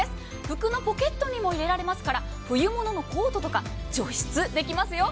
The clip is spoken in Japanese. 服のポケットにも入れられますから冬物のコートとか除湿できますよ。